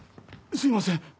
すみません！